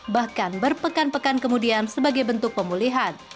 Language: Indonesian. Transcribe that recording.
bahkan berpekan pekan kemudian sebagai bentuk pemulihan